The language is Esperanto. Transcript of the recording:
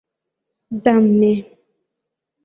Damne.